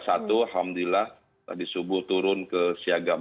alhamdulillah tadi subuh turun ke siaga empat